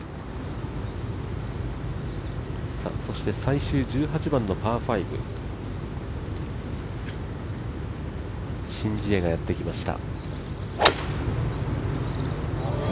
そして最終１８番、パー５、シン・ジエがやってきました。